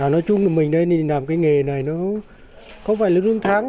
nói chung là mình đây làm cái nghề này nó không phải là luôn thắng